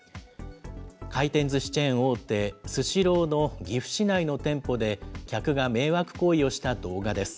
回転ずしチェーン大手、スシローの岐阜市内の店舗で客が迷惑行為をした動画です。